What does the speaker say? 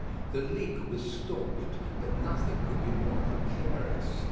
The leak was staunched, but nothing could be more precarious.